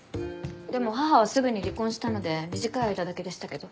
でも母はすぐに離婚したので短い間だけでしたけど。